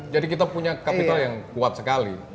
jadi kita punya kapital yang kuat sekali